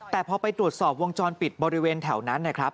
แต่พอไปตรวจสอบวงจรปิดบริเวณแถวนั้นนะครับ